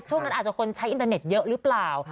ช่วงนั้นอาจจะคนใช้อินเตอร์เน็ตเยอะหรือเปล่า